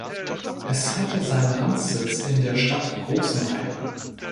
Es hatte seinen Amtssitz in der Stadt Großenhain.